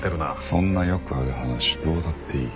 そんなよくある話どうだっていい。